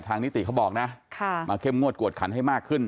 นิติเขาบอกนะมาเข้มงวดกวดขันให้มากขึ้น